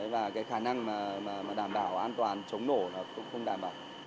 và cái khả năng mà đảm bảo an toàn chống nổ nó cũng không đảm bảo